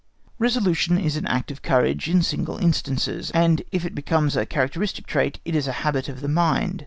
Resolution is an act of courage in single instances, and if it becomes a characteristic trait, it is a habit of the mind.